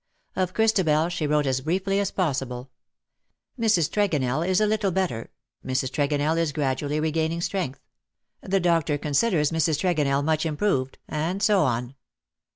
Of Christabel she wrote as briefly as possible. " Mrs. Tregonell is a little better." " Mrs. Tregonell is gradually regaining strength.^' " The doctor con siders Mrs. Tregonell much improved/^ and so on.